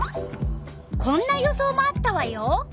こんな予想もあったわよ。